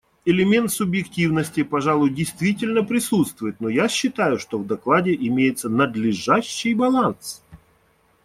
Элемент субъективности, пожалуй, действительно присутствует, но я считаю, что в докладе имеется надлежащий баланс.